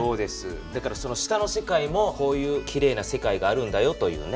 だから下の世界もこういうきれいな世界があるんだよというね。